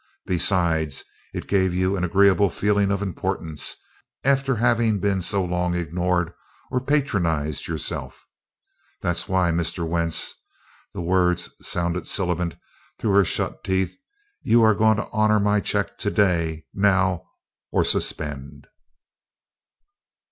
Besides, it gave you an agreeable feeling of importance, after having been so long ignored or patronized yourself. That's why, Mr. Wentz," the words sounded sibilant through her shut teeth, "you're going to honor my check to day now or suspend."